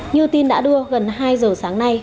như tin đã đưa gần hai giờ sáng nay